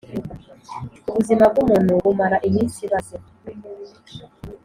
Ubuzima bw’umuntu bumara iminsi ibaze,